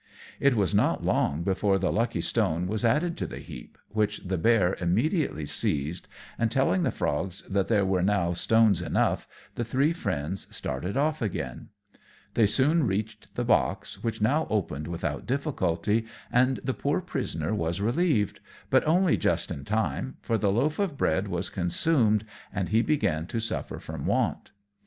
It was not long before the lucky stone was added to the heap, which the bear immediately seized; and telling the frogs that there were now stones enough, the three friends started off again. They soon reached the box, which now opened without difficulty, and the poor prisoner was relieved; but only just in time, for the loaf of bread was consumed, and he began to suffer from want.